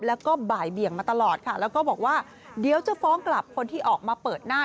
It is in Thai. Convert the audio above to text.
แล้วก็บ่ายเบี่ยงมาตลอดค่ะแล้วก็บอกว่าเดี๋ยวจะฟ้องกลับคนที่ออกมาเปิดหน้า